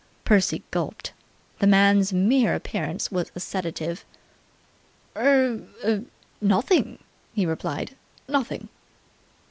Percy gulped. The man's mere appearance was a sedative. "Er nothing!" he replied. "Nothing!"